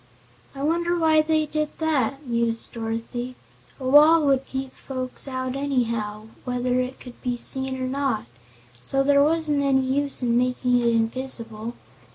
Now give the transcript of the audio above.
"I wonder why they did that?" mused Dorothy. "A wall would keep folks out anyhow, whether it could be seen or not, so there wasn't any use making it invisible.